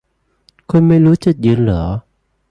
คุณไม่รู้จุดยืนหรอ